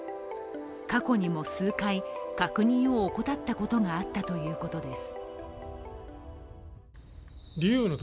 過去にも数回、確認を怠ったことがあったということです。